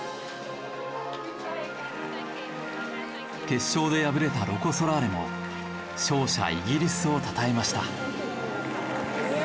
決勝で敗れたロコ・ソラーレも勝者イギリスをたたえました。